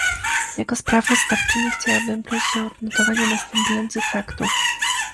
Jako sprawozdawczyni, chciałabym prosić o odnotowanie następujących faktów